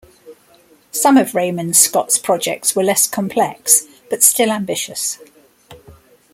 Some of Raymond Scott's projects were less complex, but still ambitious.